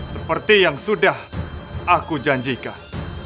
seperti yang sudah aku janjikan